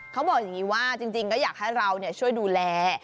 เขาบอกอย่างนี้ว่าจริงก็อยากให้เราช่วยดูแล